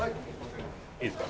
いいですか？